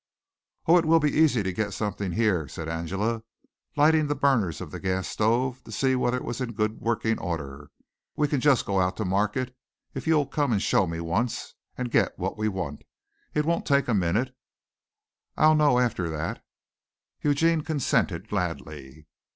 "Oh, it will be easy to get something here," said Angela, lighting the burners of the gas stove to see whether it was in good working order. "We can just go out to market if you'll come and show me once and get what we want. It won't take a minute. I'll know after that." Eugene consented gladly.